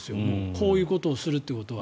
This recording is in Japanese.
こういうことをするということは。